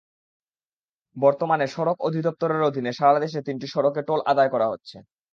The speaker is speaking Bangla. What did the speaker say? বর্তমানে সড়ক অধিদপ্তরের অধীনে সারা দেশে তিনটি সড়কে টোল আদায় করা হচ্ছে।